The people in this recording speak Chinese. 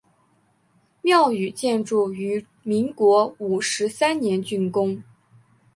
庙宇建筑于民国五十三年竣工。